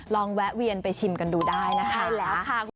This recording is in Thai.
แวะเวียนไปชิมกันดูได้นะคะใช่แล้วค่ะ